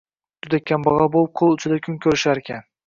Juda kambagʻal boʻlib, qoʻl uchida kun koʻrisharkan